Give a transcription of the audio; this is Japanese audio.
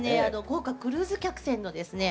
豪華クルーズ客船のですね